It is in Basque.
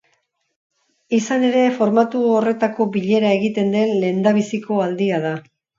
Izan ere, formatu horretako bilera egiten den lehendabiziko aldia da.